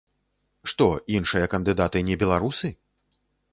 Што, іншыя кандыдаты не беларусы?